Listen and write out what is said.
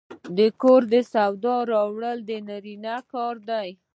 د کور د سودا راوړل د نارینه کار دی.